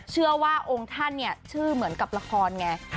เชื่อว่าองค์ท่านเนี่ยชื่อเหมือนกับละครไง